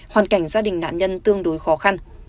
hoàn cảnh gia đình nạn nhân tương đối khó khăn